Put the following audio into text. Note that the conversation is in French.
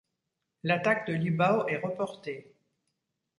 L'attaque de Libau est reportée.